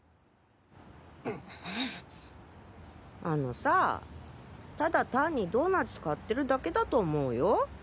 あのさあただ単にドーナツ買ってるだけだと思うよ。